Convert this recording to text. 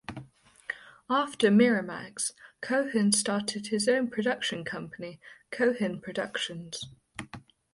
After Miramax, Cohen started his own production company, Cohen Productions.